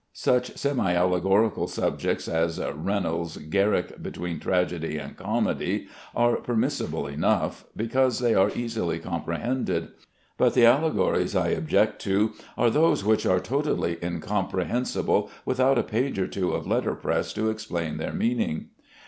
Such semi allegorical subjects as Reynolds' "Garrick between Tragedy and Comedy" are permissible enough, because they are easily comprehended; but the allegories I object to are those which are totally incomprehensible without a page or two of letterpress to explain their meaning.